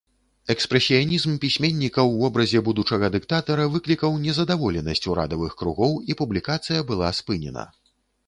Экспрэсіянізм пісьменніка ў вобразе будучага дыктатара выклікаў незадаволенасць урадавых кругоў, і публікацыя была спынена.